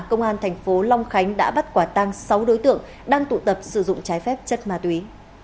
công an thành phố long khánh đã bắt quả tang sáu đối tượng đang tụ tập sử dụng trái phép chất ma túy